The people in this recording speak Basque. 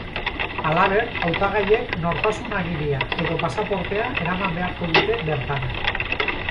Halaber, hautagaiek nortasun agiria edo pasaportea eraman beharko dute bertara.